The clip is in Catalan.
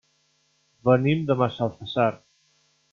Venim de Massalfassar.